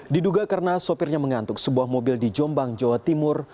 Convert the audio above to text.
diduga karena sopirnya mengantuk sebuah mobil di jombang jawa timur